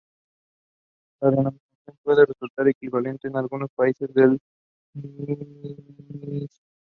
La denominación puede resultar equivalente en algunos países a la de ministro.